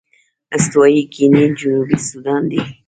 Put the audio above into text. استوايي ګيني جنوبي سوډان دي.